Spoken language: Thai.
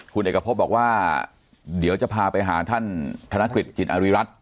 คุณเอกพบบอกว่าเดี๋ยวจะพาไปหาท่านธนกฤษจิตอาริรัติ